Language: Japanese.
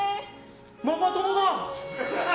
ママ友だー！